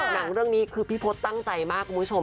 หนังเรื่องนี้คือพี่พศตั้งใจมากคุณผู้ชม